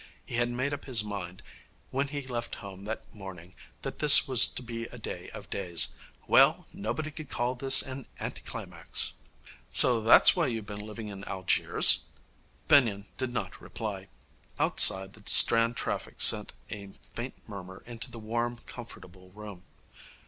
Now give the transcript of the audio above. He had made up his mind, when he left home that morning, that this was to be a day of days. Well, nobody could call this an anti climax. 'So that's why you have been living in Algiers?' Benyon did not reply. Outside, the Strand traffic sent a faint murmur into the warm, comfortable room.